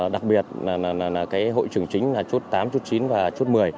đặc biệt là hội trường chính chốt tám chốt chín và chốt một mươi